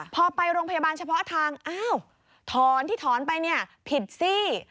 พอไปโรงพยาบาลเฉพาะอาทางทอนที่ทอนไปผิดซี่